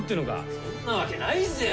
そんなわけないぜよ。